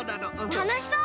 たのしそう！